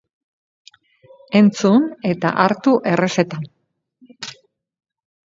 Entzun eta hartu errezeta!